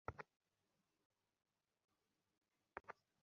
নইলে একেবারে সেই যাবার দিন বলে বিদায় নিতাম।